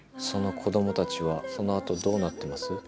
「その子供たちはその後どうなってます？」